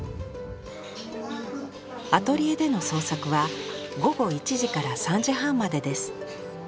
アトリエでの創作は午後１時から３時半までです。